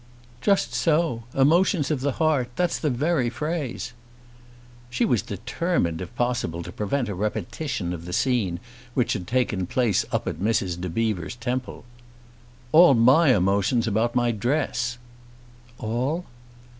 "Just so; emotions of the heart! That's the very phrase." She was determined if possible to prevent a repetition of the scene which had taken place up at Mrs. de Bever's temple. "All my emotions are about my dress." "All?"